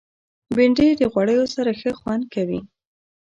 بېنډۍ د غوړیو سره ښه خوند کوي